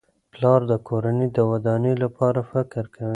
پلار د کورنۍ د ودانۍ لپاره فکر کوي.